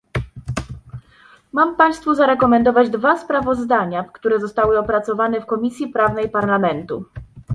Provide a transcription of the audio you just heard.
Mam państwu zarekomendować dwa sprawozdania, które zostały opracowane w Komisji Prawnej Parlamentu